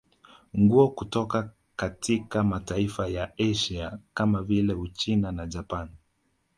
Nguo kutoka katika mataifa ya Asia kama vile Uchina na Japani